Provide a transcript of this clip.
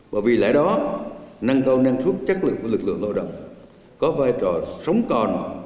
và vì lẽ đó năng cao năng suất chất lượng của lực lượng lao động có vai trò sống còn